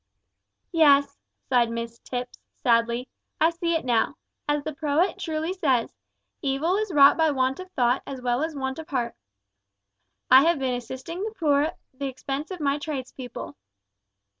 "Yes," sighed Mrs Tipps, sadly, "I see it now. As the poet truly says, `Evil is wrought by want of thought as well as want of heart.' I have been assisting the poor at the expense of my trades people."